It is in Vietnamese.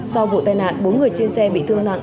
sau vụ tai nạn bốn người trên xe bị thương nặng